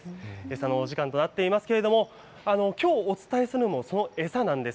餌のお時間となっていますけれども、きょうお伝えするのも、その餌なんです。